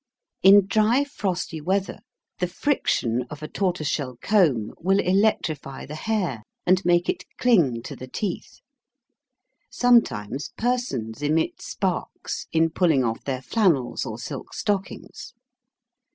In dry frosty weather the friction of a tortoise shell comb will electrify the hair and make it cling to the teeth. Sometimes persons emit sparks in pulling off their flannels or silk stockings.